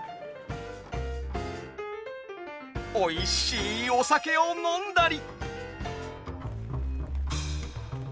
おいしいお酒を飲んだり。